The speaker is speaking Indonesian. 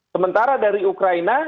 sementara dari ukraina